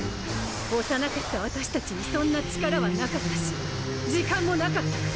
幼かった私たちにそんな力はなかったし時間もなかった。